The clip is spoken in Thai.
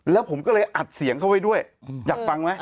แล้วผมก็เลยอัดเสียงเขาไว้ด้วยอยากฟังไหม